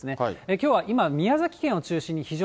きょうは今、宮崎県を中心に非常